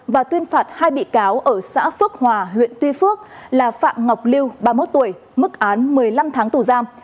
và tuyên phạt hai bị cáo ở xã phước hòa huyện tuy phước là phạm ngọc lưu ba mươi một tuổi mức án một mươi năm tháng tù giam